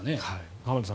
浜田さん